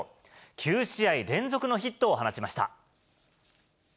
９試合連続のヒットを放ちました。